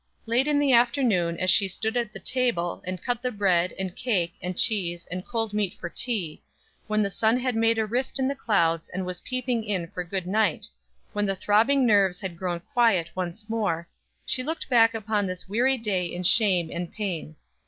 Late in the afternoon, as she stood at the table, and cut the bread, and cake, and cheese, and cold meat for tea; when the sun had made a rift in the clouds, and was peeping in for good night; when the throbbing nerves had grown quiet once more, she looked back upon this weary day in shame and pain.